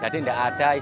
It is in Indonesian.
jadi kita harus berbual